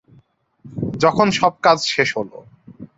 যখন সব কাজ শেষ হল।